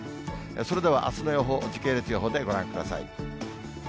それではあすの予報、時系列予報でご覧ください。